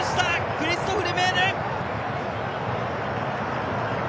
クリストフ・ルメール。